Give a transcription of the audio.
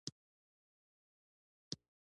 لاسونه د میننې نښه ده